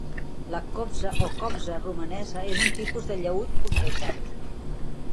La kobza o cobza romanesa és un tipus de llaüt puntejat.